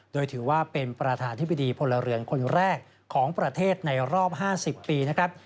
โดยถือว่าเป็นประธานธิบดีพลเรือนคนแรกของประเทศในรอบ๕๐ปีนะครับ